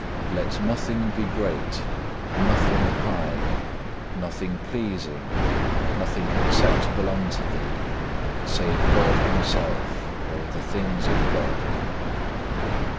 Let nothing be great, nothing high, nothing pleasing, nothing acceptable unto thee, save God Himself or the things of God.